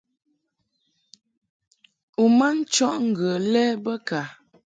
U ma nchɔʼ ŋgə lɛ bə ka ?